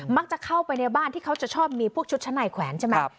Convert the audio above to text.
เข้าไปในบ้านที่เขาจะชอบมีพวกชุดชั้นในแขวนใช่ไหม